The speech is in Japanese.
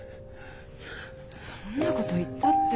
そんなこと言ったって。